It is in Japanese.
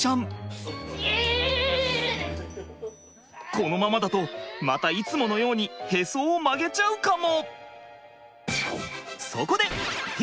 このままだとまたいつものようにヘソを曲げちゃうかも。